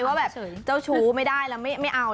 ว่าแบบเจ้าชู้ไม่ได้แล้วไม่เอา